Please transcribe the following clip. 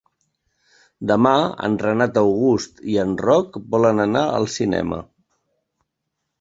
Demà en Renat August i en Roc volen anar al cinema.